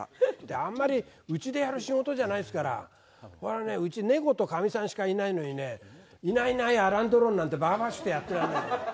あんまりうちでやる仕事じゃないですから、これはね、うち、猫とかみさんしかいないのにね、いないいないアラン・ドロンなんて、ばかばかしくってやってられないですよ。